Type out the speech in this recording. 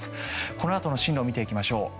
このあとの進路を見ていきましょう。